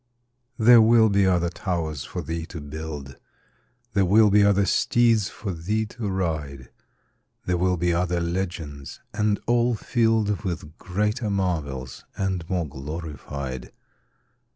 There will be other towers for thee to build; There will be other steeds for thee to ride; There will be other legends, and all filled With greater marvels and more glorified.